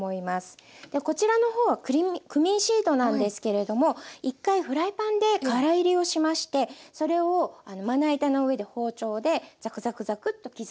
こちらの方はクミンシードなんですけれども１回フライパンでからいりをしましてそれをまな板の上で包丁でザクザクザクッと刻んでいます。